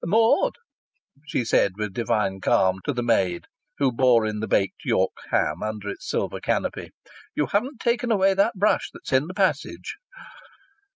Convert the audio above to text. "Maud," she said with divine calm to the maid who bore in the baked York ham under its silver canopy, "you haven't taken away that brush that's in the passage."